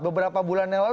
beberapa bulan lalu